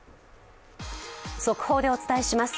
速報でお伝えします。